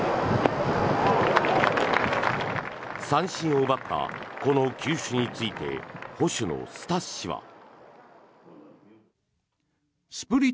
三振を奪ったこの球種について捕手のスタッシは。